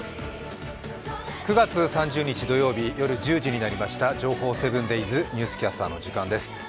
９月３０日土曜日夜１０時になりました、「情報７ｄａｙｓニュースキャスター」の時間です